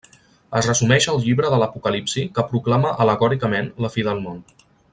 Es resumeix al llibre de l'Apocalipsi que proclama al·legòricament la fi del món.